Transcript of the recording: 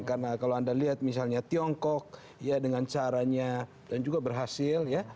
karena kalau anda lihat misalnya tiongkok ya dengan caranya dan juga berhasil ya